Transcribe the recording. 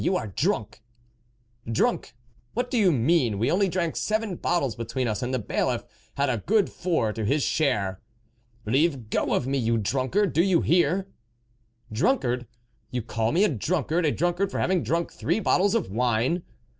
you are drunk !"" Drunk ! What do you mean ? We only drank seven bottles between us, and the Bailiff had a good four to his share." " Leave go of me, you drunkard, do you hear !"" Drunkard ! you call me a drunkard, a drunkard for having drunk three bottles of wine